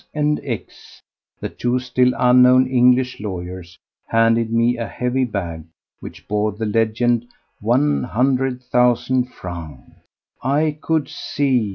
and X., the two still unknown English lawyers, handed me a heavy bag which bore the legend "One hundred thousand francs." I could see